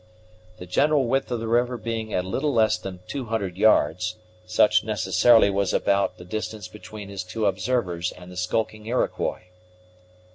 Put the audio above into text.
The general width of the river being a little less than two hundred yards, such necessarily was about the distance between his two observers and the skulking Iroquois.